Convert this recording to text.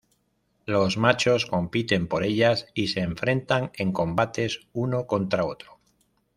Los machos compiten por ellas y se enfrentan en combates uno contra otro.